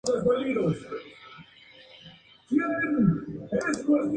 Se divide en ocho partes.